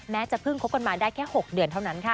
จะเพิ่งคบกันมาได้แค่๖เดือนเท่านั้นค่ะ